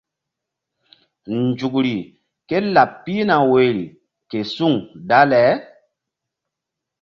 Nzukri kélaɓ pihna woyri ke suŋ dale.